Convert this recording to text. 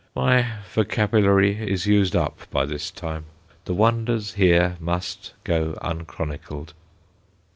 My vocabulary is used up by this time. The wonders here must go unchronicled.